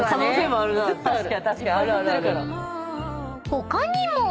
［他にも］